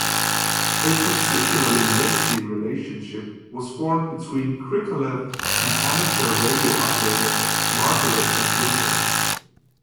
A particularly lengthy relationship was formed between Krikalev and amateur radio operator Margaret Iaquinto.